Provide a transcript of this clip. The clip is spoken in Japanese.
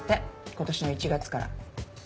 今年の１月から。